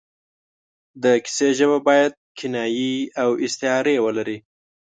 د کیسې ژبه باید کنایې او استعارې ولري.